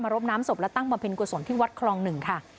มารบน้ำศพและตั้งประเภนกุศลที่วัดคลองหนึ่งค่ะ